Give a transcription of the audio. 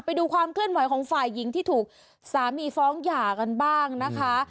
ไปดูความเคลื่อนไหวของฝ่ายหญิงที่ถูกสามีฟ้องหย่ากันบ้างนะคะ